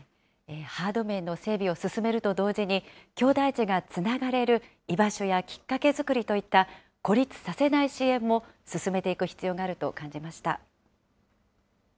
ハード面の整備を進めると同時に、きょうだい児がつながれる居場所やきっかけ作りといった孤立させない支援も進めていく必要があると感じました。